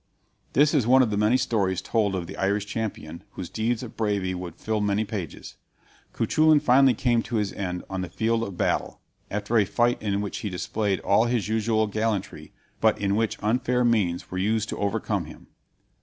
This is one of many stories told of the Irish champion, whose deeds of bravery would fill many pages. Cuchulain finally came to his end on the field of battle, after a fight in which he displayed all his usual gallantry but in which unfair means were used to overcome him.